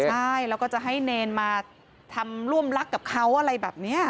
ใช่แล้วก็จะให้เนรมาทำร่วมรักกับเขาอะไรแบบนี้